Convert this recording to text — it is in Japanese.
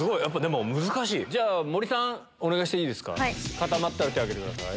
固まったら手上げてください。